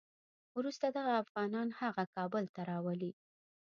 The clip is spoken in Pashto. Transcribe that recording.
وروسته دغه افغانان هغه کابل ته راولي.